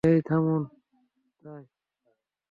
হেই, থামুন!